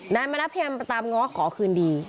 นายมานัดเพียงประตามง้อขอคืนดี